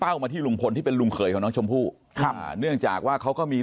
แล้วไปปล่อยทิ้งเอาไว้จนเด็กเนี่ย